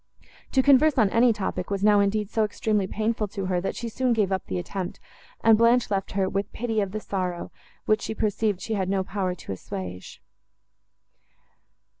To converse on any topic, was now, indeed, so extremely painful to her, that she soon gave up the attempt, and Blanche left her, with pity of the sorrow, which she perceived she had no power to assuage.